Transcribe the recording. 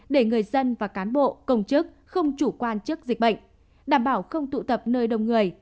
để người dân và cán bộ công chức không chủ quan trước dịch bệnh đảm bảo không tụ tập nơi đông người